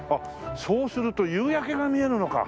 そうすると夕焼けが見えるのか。